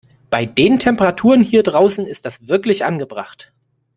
Bei den Temperaturen hier draußen ist das wirklich angebracht.